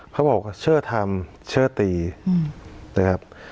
เขาบอกเชื่อทำเชื่อตีนะครับ